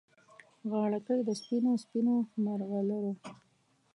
غاړګۍ د سپینو، سپینو مرغلرو